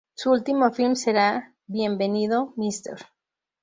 Su último film será "Bienvenido, Mr.